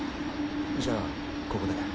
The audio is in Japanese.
じゃあここで。